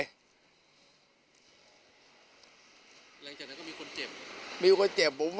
หลังจากนั้นก็มีคนเจ็บ